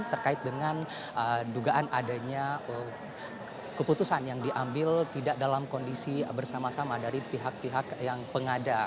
terkait dengan dugaan adanya keputusan yang diambil tidak dalam kondisi bersama sama dari pihak pihak yang pengada